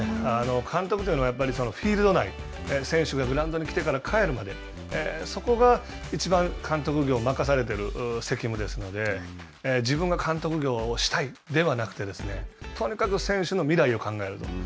監督というのはフィールド内、選手がグラウンドに来てから帰るまで、そこが一番監督業を任されてる責務ですので、自分が監督業をしたいではなくてですね、とにかく選手の未来を考えると。